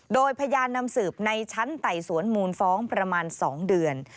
โดยพยานนำสืบในชั้นไต่สวนมูลฟ้องประมาณ๒เดือน